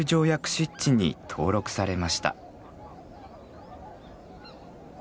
湿地に登録されました。